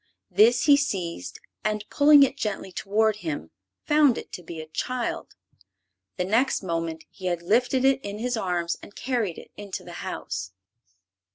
This he seized and, pulling it gently toward him, found it to be a child. The next moment he had lifted it in his arms and carried it into the house.